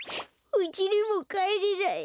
うちにもかえれない。